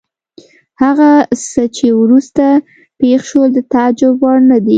هغه څه چې وروسته پېښ شول د تعجب وړ نه دي.